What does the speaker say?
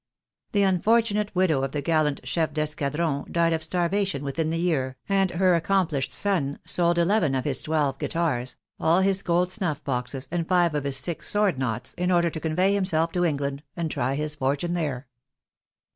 The unfortunate widow of the gallant chef d'escadron died of starvation within the year, and her accomplished son sold eleven of his twelve guitars, all his gold snuff boxes, and five of his six sword knots, in order to convey himself to England, and try his fortune there.